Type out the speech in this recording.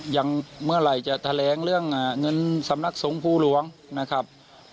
อย่างเมื่อไหร่จะแถลงเรื่องเงินสำนักสงภูหลวงนะครับ